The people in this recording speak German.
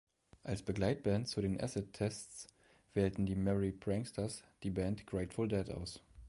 Als Begleitband zu den Acid-Tests wählten die "Merry Pranksters" die Band Grateful Dead aus.